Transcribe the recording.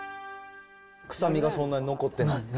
臭みがそんなに残ってない。